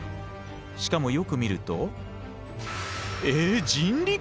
しかもよく見るとえ人力！？